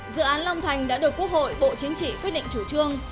dự án long thành đã được quốc hội bộ chính trị quyết định chủ trương